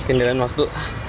mungkin dalam waktu